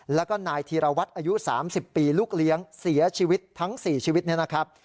แล้วก็นายธีรวัตรอายุ๓๐ปีลูกเลี้ยงเสียชีวิตทั้ง๔ชีวิตนี้นะครับ